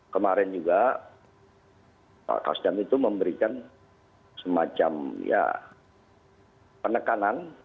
kemarin juga pak kasdam itu memberikan semacam penekanan